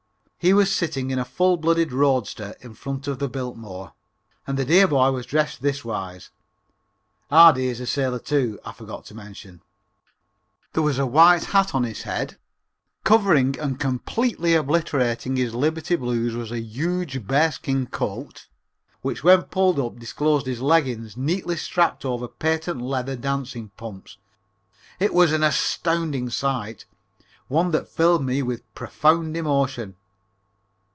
He was sitting in a full blooded roadster in front of the Biltmore, and the dear boy was dressed this wise ("Ardy" is a sailor, too, I forgot to mention): There was a white hat on his head; covering and completely obliterating his liberty blues was a huge bearskin coat, which when pulled up disclosed his leggins neatly strapped over patent leather dancing pumps. It was an astounding sight. One that filled me with profound emotion.